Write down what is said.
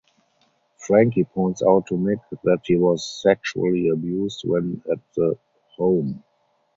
Frankie points out to Mick that he was sexually abused when at the home.